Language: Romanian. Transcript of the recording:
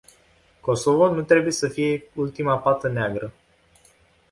Kosovo nu trebuie să fie ultima pată neagră.